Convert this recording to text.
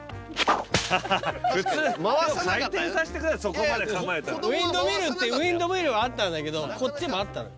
普通回転さしてそこまで構えたらウインドミルってウインドミルあったんだけどこっちもあったのよ